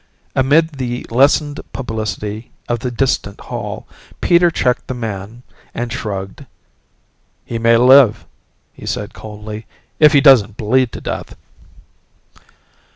Amid the lessened publicity of the distant hall, Peter checked the man and shrugged. "He may live," he said coldly, "if he doesn't bleed to death."